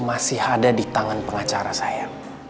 masih ada di tangan pengacara saya